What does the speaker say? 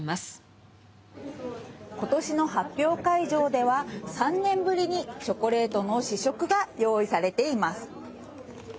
「今年の発表会場では３年ぶりにチョコレートの試食が用意されています」